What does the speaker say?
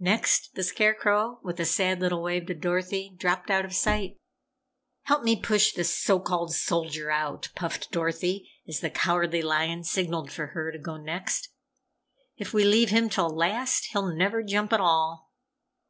Next, the Scarecrow, with a sad little wave to Dorothy, dropped out of sight. "Help me push this so called Soldier out!" puffed Dorothy, as the Cowardly Lion signalled for her to go next. "If we leave him till last he'll never jump at all!"